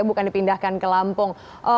bukan dipindahkan ke lampung